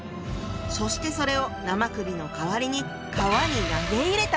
そしてそれを生首の代わりに川に投げ入れたのよ！